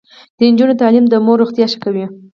د نجونو تعلیم د مور روغتیا ښه کوي.